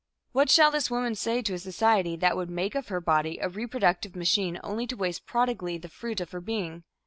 What shall this woman say to a society that would make of her body a reproductive machine only to waste prodigally the fruit of her being?